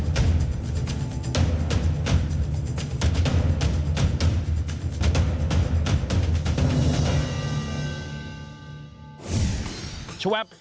อันดับในสถานธุ์วิชาวี่ชวับ